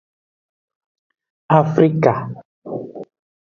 Afrique.